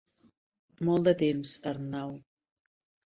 Molt de temps, Arnau.